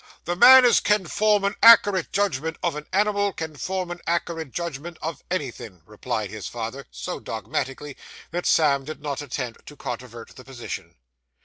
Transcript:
'The man as can form a ackerate judgment of a animal, can form a ackerate judgment of anythin',' replied his father, so dogmatically, that Sam did not attempt to controvert the position.